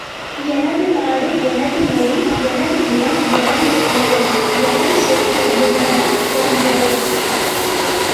எனது நாடு எனது மொழி எனது இனம் எனது சமயம் எனது சொத்து என்பன போன்றவை.